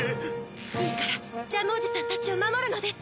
いいからジャムおじさんたちをまもるのです！